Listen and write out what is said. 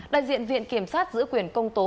đại diện viện kiểm sát giữ quyền công tố